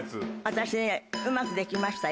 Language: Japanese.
私ねうまくできましたよ。